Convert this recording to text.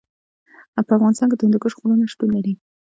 په افغانستان کې د هندوکش غرونه شتون لري.